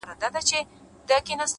خپل قوتونه هره ورځ وده ورکړئ’